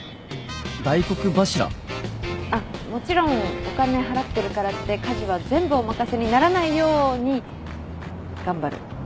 あっもちろんお金払ってるからって家事は全部お任せにならないように頑張る。